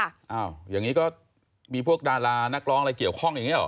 อย่างนี้ก็มีพวกดารานักร้องอะไรเกี่ยวข้องอย่างนี้หรอ